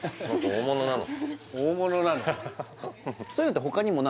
大物なの？